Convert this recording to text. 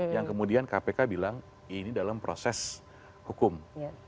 yang kemudian kpk bilang ini dalam proses hukum